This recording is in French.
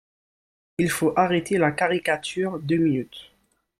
Il faut arrêter la caricature deux minutes